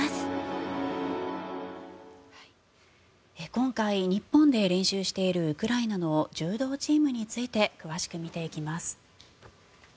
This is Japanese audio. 今回、日本で練習しているウクライナの柔道チームについて詳しく見ていきます。